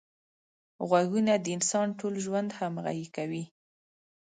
غوږونه د انسان ټول ژوند همغږي کوي